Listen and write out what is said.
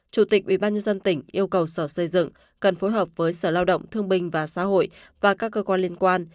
chủ tịch ubnd tỉnh yêu cầu sở xây dựng cần phối hợp với sở lao động thương binh và xã hội và các cơ quan liên quan